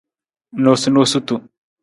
Noosunoosutu.